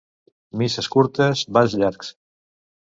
Misses curtes, balls llargs.